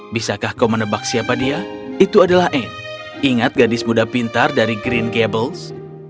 bisakah kau menebak siapa dia itu adalah anne ingat gadis muda pintar dari green gables